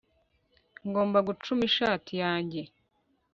ngomba gucuma ishati yanjye